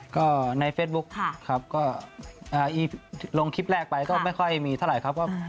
ก็ในเฟซบุ๊คครับก็อีลงคลิปแรกไปก็ไม่ค่อยมีเท่าไหร่ครับ